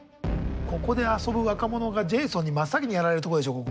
ここで遊ぶ若者がジェイソンに真っ先にやられるとこでしょう